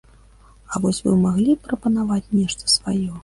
А вось вы маглі б прапанаваць нешта сваё?